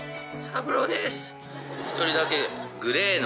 ３郎です。